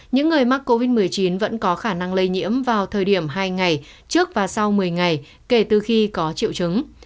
những người mắc covid một mươi chín vẫn có khả năng lây nhiễm vào thời điểm hai ngày trước và sau một mươi ngày kể từ khi có triệu chứng